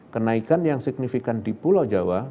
kenaikan yang signifikan di pulau jawa